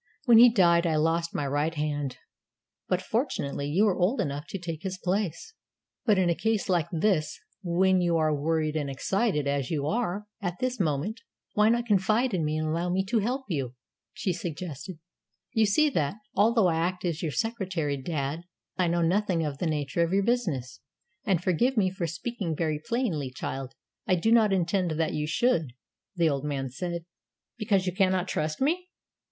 "When he died I lost my right hand. But fortunately you were old enough to take his place." "But in a case like this, when you are worried and excited, as you are at this moment, why not confide in me and allow me to help you?" she suggested. "You see that, although I act as your secretary, dad, I know nothing of the nature of your business." "And forgive me for speaking very plainly, child, I do not intend that you should," the old man said. "Because you cannot trust me!"